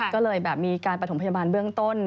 ก็เลยแบบมีการประถมพยาบาลเบื้องต้น